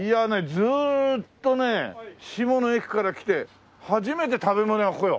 ずーっとね志茂の駅から来て初めて食べ物屋ここよ。